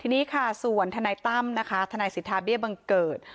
ทีนี้ค่ะส่วนทนายตั้มนะคะทนายสิทธาเบี้ยบังเกิด